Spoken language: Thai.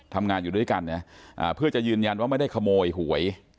ทำงานอยู่ด้วยกันนะเพื่อจะยืนยันว่าไม่ได้ขโมยหวย